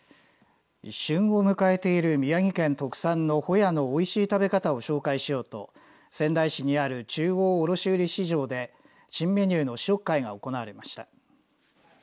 旬を迎えている宮城県特産のほやのおいしい食べ方を紹介しようと仙台市にある中央卸売市場で新メニューの試食会が行われました。